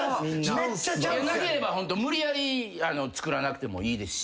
なければ無理やりつくらなくてもいいですし。